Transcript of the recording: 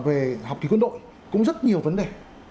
về học thì quân đội cũng rất nhiều vấn đề